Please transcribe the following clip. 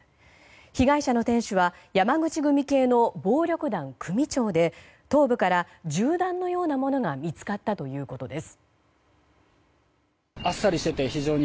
被害者の店主は山口組系の暴力団組長で頭部から銃弾のようなものが見つかったということです。